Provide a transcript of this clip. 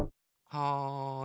・はい。